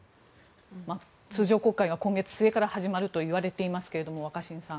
通常国会が今月末から始まるといわれていますが、若新さん。